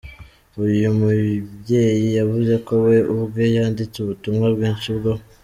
Uyu mubyeyi yavuze ko we ubwe yanditse ubutumwa bwinshi bwo.